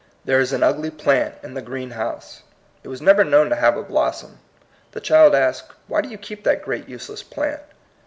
There is an ugly plant in the green house. It was never known to have a blossom. The child asks, Why do you keep that great useless plant?